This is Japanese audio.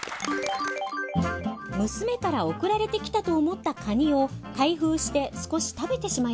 娘から送られてきたと思ったカニを開封して少し食べてしまいました。